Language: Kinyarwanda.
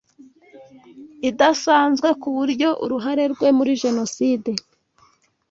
idasanzwe ku buryo uruhare rwe muri Jenoside